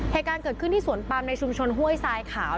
เหตุการณ์เกิดขึ้นที่สวนปามในชุมชนห้วยทรายขาว